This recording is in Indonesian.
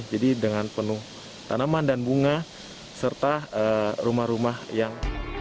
jadi dengan penuh tanaman dan bunga serta rumah rumah yang